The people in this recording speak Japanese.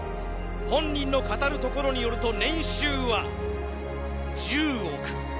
本人の語るところによると年収は１０億。